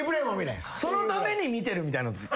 そのために見てるみたいなとき。